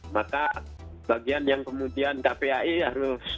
maka bagian yang kemudian kpai harus